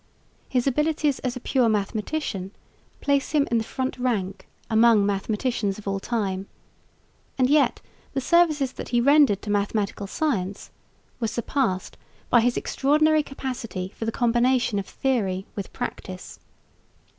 His abilities, as a pure mathematician, place him in the front rank among mathematicians of all time; and yet the services that he rendered to mathematical science were surpassed by his extraordinary capacity for the combination of theory with practice.